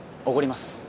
おごります。